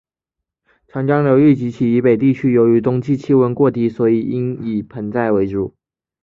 长江流域及其以北地区由于冬季气温过低所以应以盆栽为主。